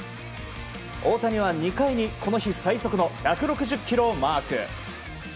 大谷は２回にこの日最速の１６０キロをマーク。